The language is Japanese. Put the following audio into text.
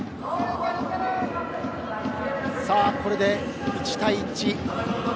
これで１対１。